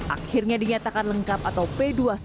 akhirnya dinyatakan lengkap atau p dua puluh satu